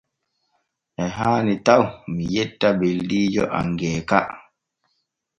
E haani taw mi yetta beldiijo am Geeka.